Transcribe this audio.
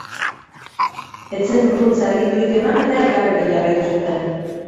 Ez zen urruntze agindurik eman, eta elkarrekin jarraitu zuten.